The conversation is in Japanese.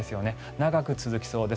長く続きそうです。